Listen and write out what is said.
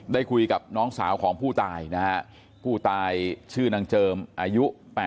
ได้คุยกับน้องสาวของผู้ตายนะฮะผู้ตายชื่อนางเจิมอายุ๘๐